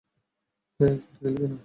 হেই, কেটে দিলি কেন?